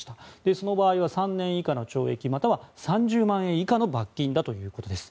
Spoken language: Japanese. その場合は３年以下の懲役または３０万円以下の罰金だということです。